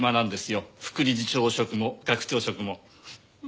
副理事長職も学長職も。